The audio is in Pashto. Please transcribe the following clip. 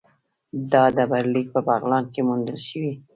دا ډبرلیک په بغلان کې موندل شوی